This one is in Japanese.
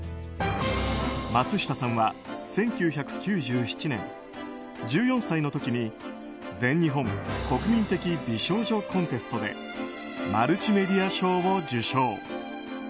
松下さんは１９９７年、１４歳の時に全日本国民的美少女コンテストでマルチメディア賞を受賞。